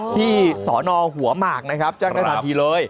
ที่สอนอหัวหมากนะครับแจ้งได้ทันทีเลย